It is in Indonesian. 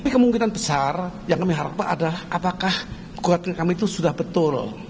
tapi kemungkinan besar yang kami harapkan adalah apakah kekuatan kami itu sudah betul